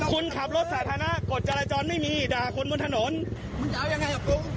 คุณขับรถสาธารณะกฎจราจรไม่มีด่าคนบนถนนมันจะเอายังไงกับคุณ